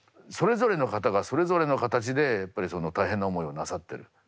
それぞれの方がそれぞれの形でやっぱりその大変な思いをなさってる。